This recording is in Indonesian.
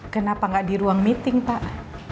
kenapa nggak di ruang meeting pak